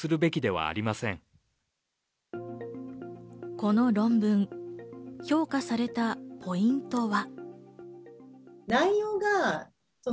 この論文、評価されたポイントは。